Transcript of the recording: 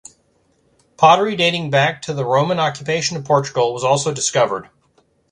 Pottery dating back to the Roman occupation of Portugal was also discovered.